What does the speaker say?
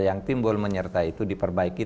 yang timbul menyertai itu diperbaiki